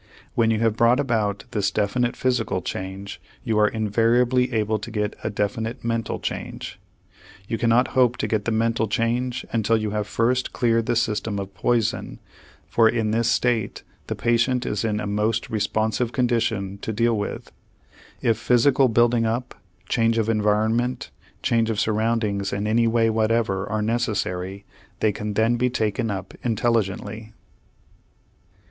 When you have brought about this definite physical change, you are invariably able to get a definite mental change. You cannot hope to get the mental change until you have first cleared the system of poison, for in this state the patient is in a most responsive condition to deal with. If physical building up, change of environment, change of surroundings in any way whatever are necessary, they can then be taken up intelligently.